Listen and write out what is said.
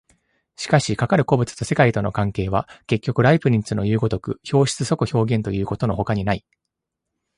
しかしかかる個物と世界との関係は、結局ライプニッツのいう如く表出即表現ということのほかにない。